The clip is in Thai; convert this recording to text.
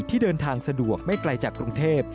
ที่เดินทางสะดวกไม่ไกลจากกรุงเทพ